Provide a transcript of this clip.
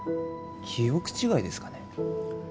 記憶違いですかね？